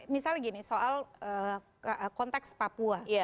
misalnya gini soal konteks papua